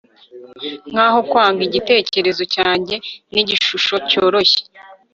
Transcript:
Nkaho kwanga igitekerezo cyanjye nigishusho cyoroshye